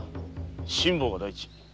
辛抱が第一。